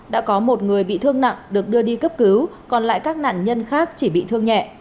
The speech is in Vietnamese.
đã có một người bị thương nặng được đưa đi cấp cứu còn lại các nạn nhân khác chỉ bị thương nhẹ